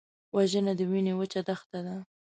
وژنه د وینې وچه دښته ده